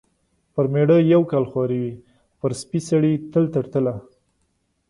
پر مېړه یو کال خواري وي، پر سپي سړي تل تر تله.